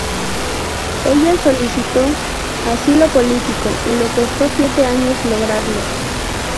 Ella solicitó asilo político, le costó siete años lograrlo.